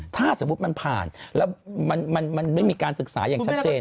ถ้าสมมุติมันผ่านแล้วมันไม่มีการศึกษาอย่างชัดเจน